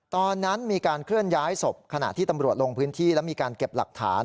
ตอนนั้นมีการเคลื่อนย้ายศพขณะที่ตำรวจลงพื้นที่และมีการเก็บหลักฐาน